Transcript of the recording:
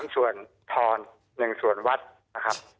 ส่วนทร๑ส่วนวัดนะครับ